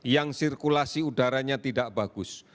yang sirkulasi udaranya tidak bagus